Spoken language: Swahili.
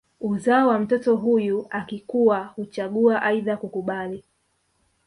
Uzao wa mtoto huyu akikua huchagua aidha kukubali